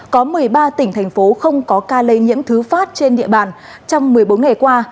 có một mươi ba tỉnh thành phố không có ca lây nhiễm thứ phát trên địa bàn trong một mươi bốn ngày qua